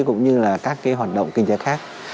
cũng như là các hoạt động kinh tế khác